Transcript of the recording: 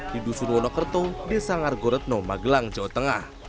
di dusun wonokerto desa ngargoretno magelang jawa tengah